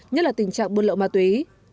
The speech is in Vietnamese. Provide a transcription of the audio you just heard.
nhất là tình trạng buôn lậu ma túy